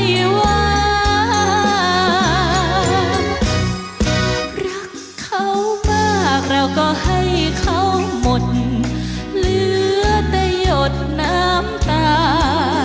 รักเขามากเราก็ให้เขาหมดเหลือแต่หยดน้ำตา